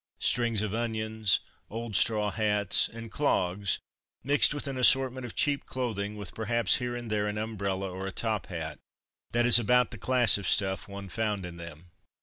Strings of onions, old straw hats, and clogs, mixed with an assortment of cheap clothing, with perhaps here and there an umbrella or a top hat. That is about the class of stuff one found in them.